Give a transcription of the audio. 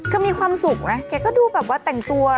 ก็มีความสุขนะแกก็ดูแบบว่าแต่งตัว